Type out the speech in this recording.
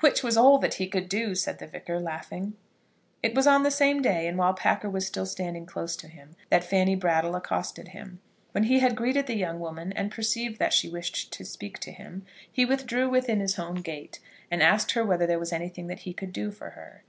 "Which was all that he could do," said the Vicar, laughing. It was on the same day and while Packer was still standing close to him, that Fanny Brattle accosted him. When he had greeted the young woman and perceived that she wished to speak to him, he withdrew within his own gate, and asked her whether there was anything that he could do for her.